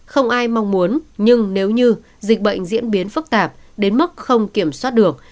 không ai mong muốn nhưng nếu như dịch bệnh diễn biến phức tạp đến mức không kiểm soát được